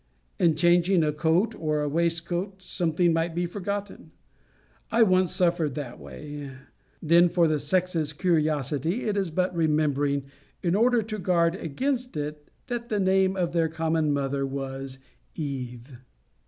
In changing a coat or waistcoat, something might be forgotten. I once suffered that way. Then for the sex's curiosity, it is but remembering, in order to guard against it, that the name of their common mother was Eve.